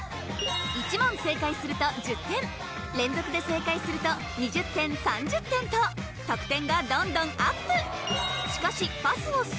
１問正解すると１０点連続で正解すると２０点３０点と得点がどんどんＵＰ